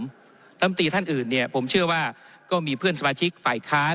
ลำตีท่านอื่นเนี่ยผมเชื่อว่าก็มีเพื่อนสมาชิกฝ่ายค้าน